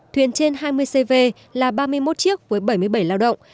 thuyền trên hai mươi cv là ba mươi một chiếc với bảy mươi bảy lao động